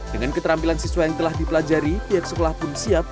dengan keterampilan siswa yang telah dipelajari pihak sekolah pun siap